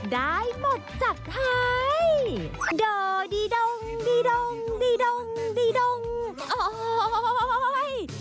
ได้หมดจากท้าย